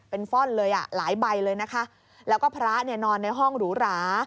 เป็นฟ่อนเลยอ่ะหลายใบเลยนะคะแล้วก็พระเนี่ยนอนในห้องหรูหรา